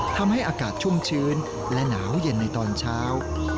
ทำให้อากาศชุ่มชื้นและหนาวเย็นในตอนเช้า